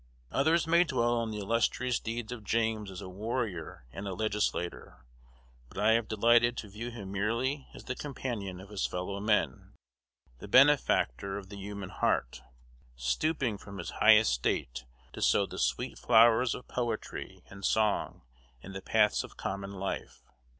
Others may dwell on the illustrious deeds of James as a warrior and a legislator; but I have delighted to view him merely as the companion of his fellow men, the benefactor of the human heart, stooping from his high estate to sow the sweet flowers of poetry and song in the paths of common life.